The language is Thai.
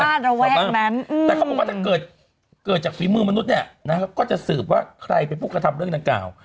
ระแวกนั้นแต่เขาบอกว่าถ้าเกิดเกิดจากฝีมือมนุษย์เนี่ยนะครับก็จะสืบว่าใครเป็นผู้กระทำเรื่องดังกล่าว